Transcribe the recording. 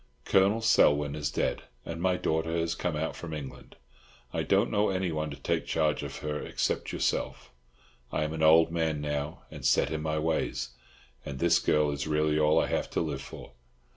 Colonel Selwyn is dead, and my daughter has come out from England. I don't know anyone to take charge of her except yourself. I am an old man now, and set in my ways, and this girl is really all I have to live for.